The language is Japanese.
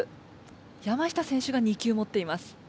山下選手が２球持っています。